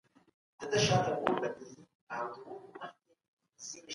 موږ يوازي د واقعيت بيان نه غواړو.